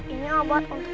ini obat untuk menuk